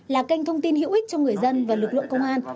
là kênh thông tin hữu ích cho người dân và lực lượng công an